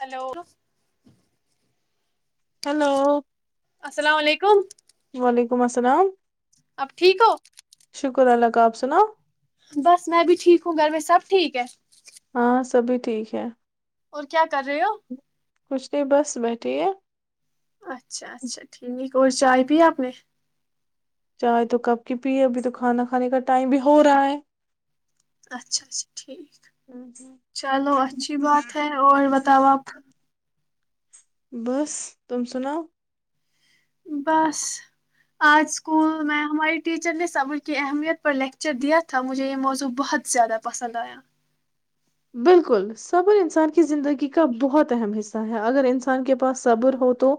Hello hello السلام بے حم السلام اب ٹھیک ہو کااب سناؤ بس میں بھی ٹھیک ہوں گھر میں سب ٹھیک ہے ہاں سبھی ٹھیک ہے اور کیا کر رہے ہو؟ ت اچھا اچھا ٹھیک اور چائے پیا اپنے چائے تو کپ کی پی ابھی تو کھانا کھانے کا ٹائم بھی ہو رہا ہے اچھا اچھا ٹھیک چلو اچھی بات ہے اور بتاؤ آپ بس تم سناؤ بس آج اسکول میں ہماری ٹیچر نے صبر کی اہمیت پر لیکچر دیا تھا مجھے یہ موضوع بہت زیادہ پسند آیا بالکل صبر انسان کی زندگی کا بہت اہم حصہ ہے اگر انسان کے پاس صبر ہو تو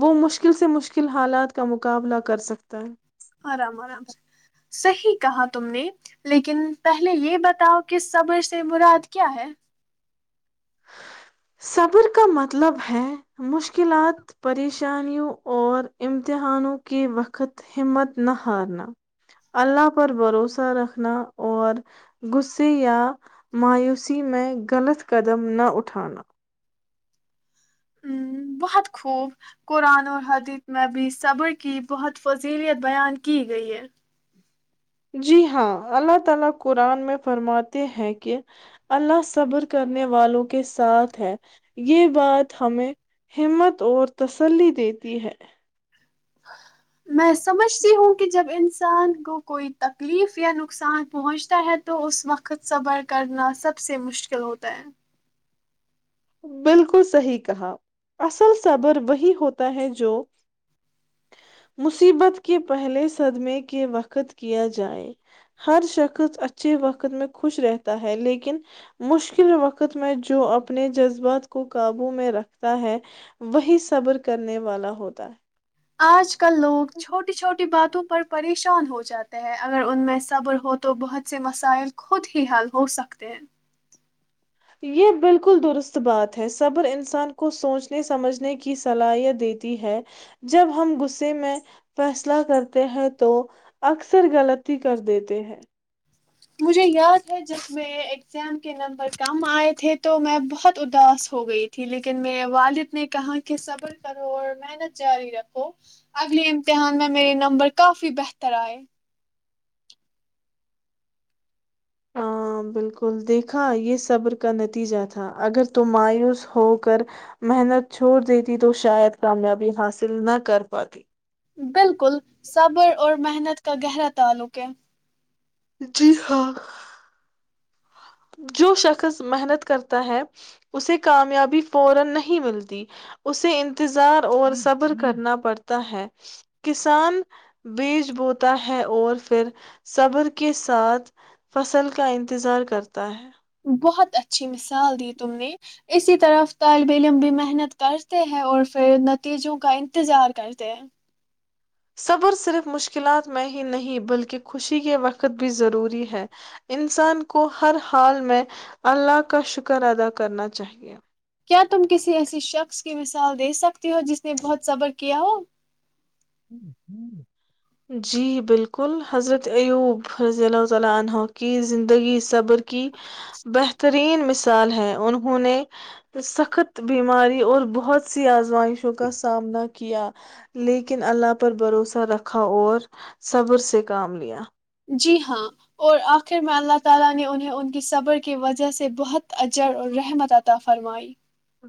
وہ مشکل سے مشکل حالات کا مقابلہ کر سکتا ہے آرام آرام سے صحیح کہا تم نے لیکن پہلے یہ بتاؤ کہ صبر سے براد کیا ہے صبر کا مطلب ہے مشکلات پریشانیوں اور امتحانوں کے وقت ہمت نہ ہارنا اللہ پر بھروسہ رکھنا اور غصے یا مایوسی میں غلط قدم نہ اٹھانا ا بہت خوب قرآن اور حدیت میں بھی صبر کی بہت فضیلیت بیان کی گئی ہے جی ہاں اللہ تعالی قرآن میں فرماتے ہیں کہ اللہ صبر کرنے والوں کے ساتھ ہے یہ بات ہمیں ہمت اور تسلی دیتی ہے میں سمجھتی ہوں کہ جب انسان کو کوئی تکلیف یا نقصان پہنچتا ہے تو اس وقت صبر کرنا سب سے مشکل ہوتا ہے بالکل صحیح کہا اصل صبر وہی ہوتا ہے جو مصیبت کے پہلے صدمے کے وقت کیا جائے ہر شخص اچھے وقت میں خوش رہتا ہے لیکن مشکل وقت میں جو اپنے جذبات کو قابو میں رکھتا ہے وہی صبر کرنے والا ہوتا ہے آج کل لوگ چھوٹی چھوٹی باتوں پر پریشان ہو جاتے ہیں اگر ان میں صبر ہو تو بہت سے مسائل خود ہی حل ہو سکتے ہیں یہ بالکل درست بات ہے صبر انسان کو سوچنے سمجھنے کی صلاحیت دیتی ہے جب ہم غصے میں فیصلہ کرتے ہیں تو اکثر غلطی کر دیتے ہیں مجھے یاد ہے جب میر اگزام کے نمبر کم آئے تھے تو میں بہت اداس ہو گئی تھی لیکن میرے والد نے کہا کہ صبر کرو اور محنت جاری رکھو اگلے امتحان میں میرے نمبر کافی بہتر آئے بالکل دیکھا یہ صبر کا نتیجہ تھا اگر ت مایوس ہو کر محنت چھوڑ دیتی تو شاید کامیابی حاصل نہ کر پاتی بالکل صبر اور محنت کا گہرا تعلق ہے جی ہاں جو شخص محنت کرتا ہے اسے کامیابی فورا نہیں ملتی اسے انتظار اور صبر کرنا پڑتا ہے کسان بیچ بوتا ہے اور پھر صبر کس ساتھ فصل کا انتظار کرتے [unintelligible] بہت اچھی مثال دی تم نے اسی طرف طالب علم بھی محنت کرتے ہیں اور پھر نتیجوں کا انتظار کرتے ہیں صبر صرف مشکلات میں ہی نہیں بلکہ خوشی کے وقت بھی ضروری ہے انسان کو ہر حال میں اللہ کا شکر ادا کرنا چاہیے کیا تم کسی ایسی شخص کی مثال دے سکتی ہو جس نے بہت صبر کیا ہو جی بالکل حضرت ایوب حضی اللہ تعالی عنہ کی زندگی صبر کی بہتر رین مثال ہے انہوں نے سخت بیماری اور بہت سی آزمائشوں کا سامنا کیا لیکن لیکن اللہ پر بھروسہ رکھا اور صبر سے کام لیا جی ہاں اور آخر میں اللہ تعالی نے انہیں ان کی صبر کی وجہ سے بہت اجر اور رحمت عطا فرمائی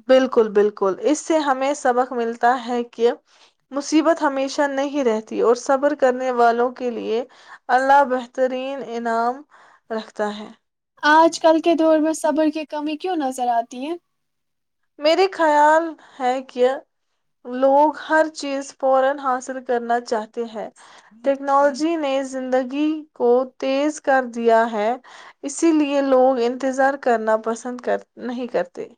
بالکل بالکل اس سے ہمیں سبق ملتا ہے کہ مصیبت ہمیشہ نہیں رہتی اور صبر کرنے والوں کے لیے اللہ بہترین انعام رکھتا ہے آج کل کے دور میں صبر کی کمی کیوں نظر آتی ہے میرے خیال ہے کہ لوگ ہر چیز فورا حاصل کرنا چاہتے ہے ٹیکنالوجی نے زندگی کو تیز کر دیا ہے اسی لیے لوگ انتظار کرنا پسند کر نہیں کرتے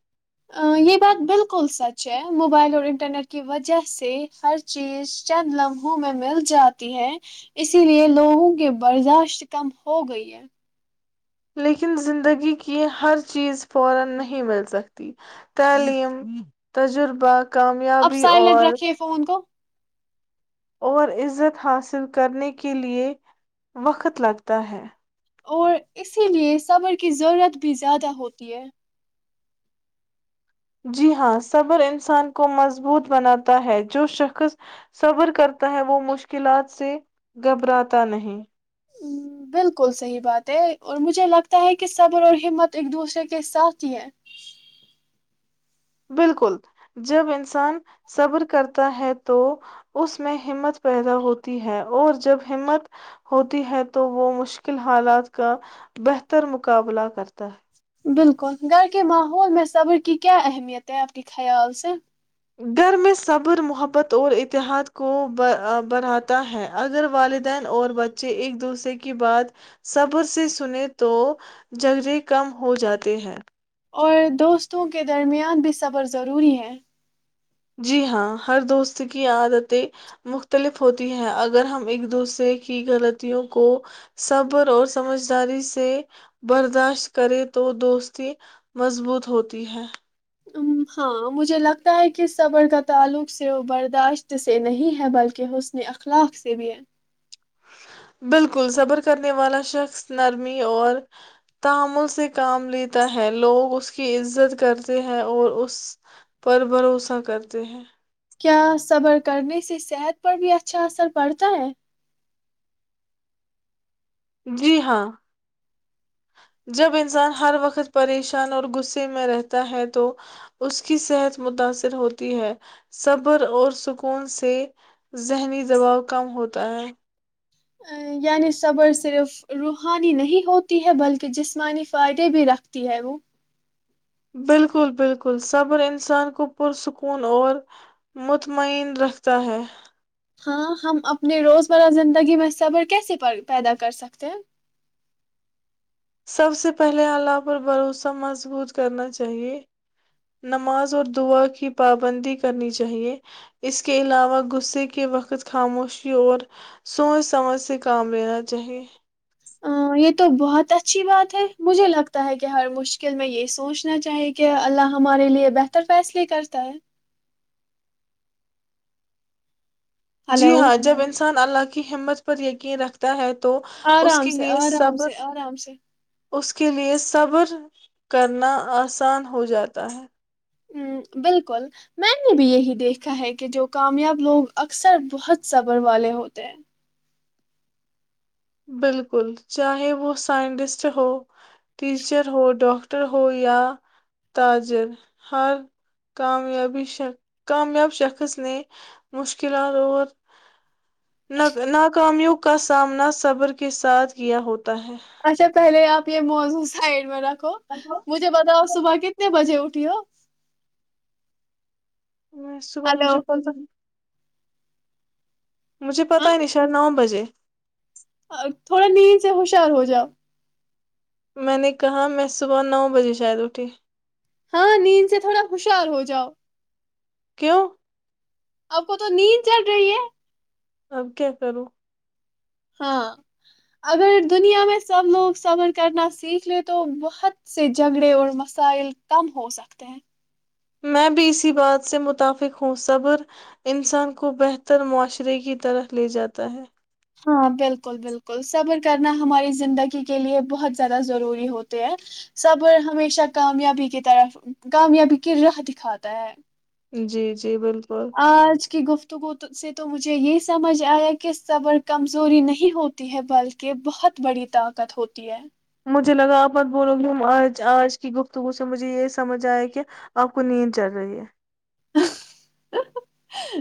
یہ بات بالکل سچ ہے موبائل اور انٹرنیٹ کی وجہ سے ہر چیز چند لمحوں میں مل جاتی ہے اسی لیے لوگوں کی برداشت کم ہو گئی ہے لیکن زندگی کی ہر چیز فورا نہیں مل سکتی تعلیم تجربہ اب کامیابی سائلنٹ اور رکھیے فون کو اور عزت حاصل کرنے کے لئے وقت لگتا ہے اور اسی لیے صبر کی ضرورت بھی زیادہ ہوتی ہے جی ہاں صبر انسان کو مضبوط بناتا ہے جو شخص صبر کرتا ہے وہ مشکلات سے گھبراتا نہیں بالکل صحیح بات ہے اور مجھے لگتا ہے کہ صبر اور ہمت ایک دوسرے کے ساتھ ہی ہے بالکل جب انسان صبر کرتا ہے تو اس میں ہمت پیدا ہوتی ہے اور جب ہمت ہوتی ہے تو وہ مشکل حالات کا بہتر مقابلہ کرتا ہے بالکل گھر کے ماحول میں صبر کی کیا اہمیت ہے آپ کے خیال سے گھر میں صبر محبت اور اتحاد کو بڑھاتا ہے اگر والدین اور بچے ایک دوسرے کی بات صبر سے سنے تو جگے کم ہو جاتے ہیں اور دوستوں کے درمیان بھی صبر ضروری ہے جی ہاں ہر دوست کی عادتیں مختلف ہوتی ہیں اگر ہم ایک دوسرے کی غلطیوں کو صبر اور سمجھداری سے برداشت کریں تو دوستی مضبوط ہوتی ہے [inaudible] بالکل صبر کرنے والا شخص نرمی اور تامل سے کام لیتا ہے لوگ اس کی عزت کرتے ہیں اور اس پر بھروسہ کرتے ہیں کیا صبر کرنے سے صحت پر بھی اچھا اثر پڑتا ہے جی ہاں جب انسان ہر وقت پریشان اور غصے میں رہتا ہے تو اس کی صحت متاثر ہوتی ہے صبر اور سکون سے ذہنی دباؤ کم ہوتا ہے یعنی صبر صرف روحانی نہیں ہوتی ہے بلکہ جسمانی فائدے بھی رکھتی ہے وہ [inaudible] ہاں ہم اپنے روزمرہ زندگی میں صبر کیسے پیدا کر سکتے ہیں سب سے پہلے الہ پر بھروسہ مضبوط کرنا چاہیے نماز اور دعا کی پابندی کرنی چاہیے اس کے علاوہ غصے کے وقت خاموشی اور سوچ سمجھ سے کام لینا چاہیے ا یہ تو بہت اچھی بات ہے مجھے لگتا ہے کہ ہر مشکل میں یہ سوچنا چاہیے کہ اللہ ہمارے لیے بہتر فیصلے کرتا ہے جی ہلو ہاں جب انسان اللہ کی ہمت پر یقین رکھتا ہے تو اس آرام کے سے لیے آرام صبر سے آرام سے اس کے لیئے صبر کرنا آسان ہو جاتا ہے ہ بالکل میں نے بھی یہی دیکھا ہے کہ جو کامیاب لوگ اکثر بہت صبر والے ہوتے ہیں بالکل چاہے وہ سائنٹسٹ ہو ٹیچر ہو ڈاکٹر ہو یا تاجر ہر کای کامیاب شخص نے مشکلات اور ناکامیوں کا سامنا صبر کے ساتھ کیا ہوتا ہے اچھا پہلے آپ پ موزو سائڈ میرا مجھے بتاؤ صبح کتنے بجے اٹھ تیو میں صبح مجھے پہ مجھے ہاں پتاہ ہی نہیں شاید نو بجے تھوڑا نیند سے ہوشیار ہو جاؤ میں نے کہا میں صبح نو بجے شاید اٹھی ہاں نیند سے تھوڑا خوشار ہو جاؤ کیوں اب کو تو نیند چڑ رہی ہے اب کیا کرو ہاں اگر دنیا میں سب لوگ صبر کرنا سیکھ لے تو بہت سے جھگڑے اور مسائل کم ہو سکتے ہیں میں بھی اسی بات سے متفق ہوں صبر انسان کو بہتر معاشرے کی طرح لے جاتا ہے ہاں بالکل بالکل صبر کرنا ہماری زندگی کے لیے بہت زیادہ ضروری ہوتے ہے صبر ہمیشہ کامیابی کی طرف کامیابی کی راہ دکھاتا ہے جی جی بالکل آج کی گفتگو سے تو مجھے یہ سمجھ آیا کہ صبر کمزوری نہیں ہوتی ہے بلکہ بہت بڑی طاقت ہوتی ہے مجھے لگا آپ بت بولو گے ت آج آج کی گفتگو سے مجھے یہ سمجھ آیا کہ آپ کو نیند چل رہی ہے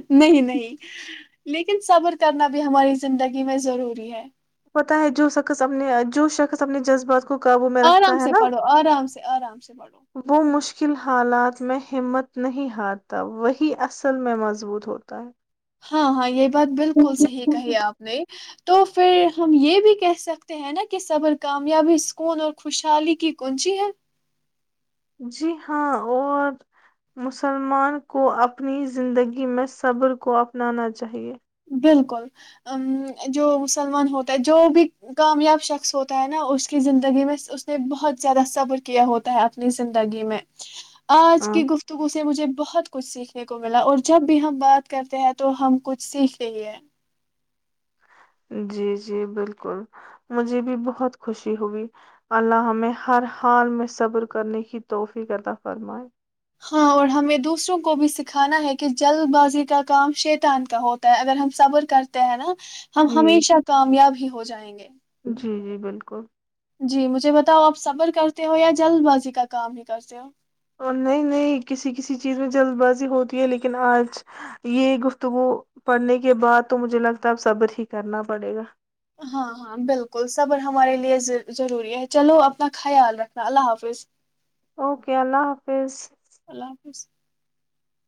نہیں نہیں لیکن صبر کرنا بھی ہماری زندگی میں ضروری ہے پتہ ہے جو شخص اپنے جو شخص اپنے جذبات کو قابو میں آرام رکھتا ہے سے نا پڑھو آرام سے آرام سے پڑھو وہ مشکل حالات میں ہمت نہیں ہارتا وہی اصل میں مضبوط ہوتا ہے ہاں ہاں یہ بات بالکل صحیح کہی آپ نے تو پھر ہم یہ بھی کہہ سکتے ہیں نا کہ صبر کامیابی سکون اور خوشحالی کی کونچی ہے جی ہاں اور مسلمان کو اپنی زندگی میں صبر کو اپنانا چاہیے بالکل جو مسلمان ہوتا ہے جو بھی کامیاب شخص ہوتا ہے نا اس کی زندگی میں اس نے بہت زیادہ صبر کیا ہوتا ہے اپنی زندگی میں آج ہاں کی گفتگو سے مجھے بہت کچھ سیکھنے کو ملا اور جب بھی ہم بات کرتے ہیں تو ہم کچھ سیکھنے چاہ ہے جی جی بالکل مجھے بھی بہت خوشی ہوگی اللہ نے ہر حال میں صبر کرنے کی توحفی کرد فرمائے ہاں اور ہمیں دوسروں کو بھی سکھانا ہے کہ جلد بازی کا کام شیتان کا ہوتا ہے اگر ہم صبر کرتے ہیں نا ہم جی ہمیشہ کامیاب ہی ہو جائیں گے جی جی بالکل جی مجھے بتاؤ آپ صبر کرتے ہو یا جلد بازی کا کام بھی کرتے ہو اور نہیں نہیں کسی کسی چیز میں جلد بازی ہوتی ہے لیکن آج یہ گفتگو پڑھنے کے بعد تو مجھے لگتا ہے اب صبر ہی کرنا پڑے گا ہاں ہاں بالکل صبر ہمارے لیے ضروری ہے چلو اپنا خیال رکھنا اللہ حافظ اوکے اللہ حافظ اسس [unintelligible]